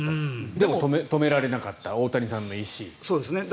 でも止められなかった大谷さんの意思。